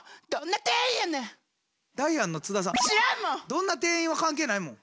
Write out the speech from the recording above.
「どんな店員」は関係ないもん。